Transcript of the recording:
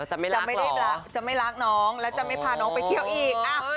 จะไม่รักหรอจะไม่รักน้องแล้วจะไม่พาน้องไปเที่ยวอีกอ้า